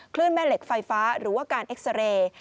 แม่เหล็กไฟฟ้าหรือว่าการเอ็กซาเรย์